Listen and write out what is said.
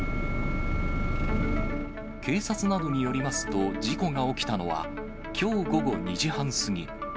警察などによりますと事故が起きたのは、きょう午後２時半過ぎ。